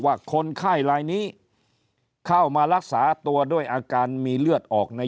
คนไข้ลายนี้เข้ามารักษาตัวด้วยอาการมีเลือดออกใน